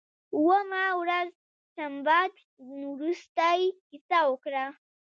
اوومه ورځ سنباد وروستۍ کیسه وکړه.